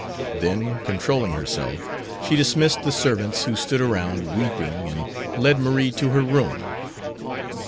Then, controlling herself, she dismissed the servants who stood around, weeping, and led Marie to her room.